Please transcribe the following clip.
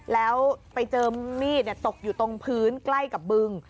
แล้วไปเจอมีดตกอยู่ตรงพื้นใกล้กับบึง